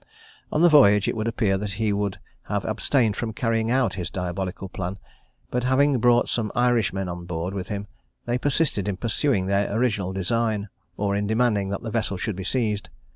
On the voyage, it would appear that he would have abstained from carrying out his diabolical plan; but having brought some Irishmen on board with him, they persisted in pursuing their original design, or in demanding that the vessel should be seized.